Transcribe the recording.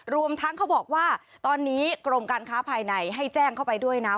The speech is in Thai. รวมทั้งเขาบอกว่าตอนนี้กรมการค้าภายในให้แจ้งเข้าไปด้วยนะ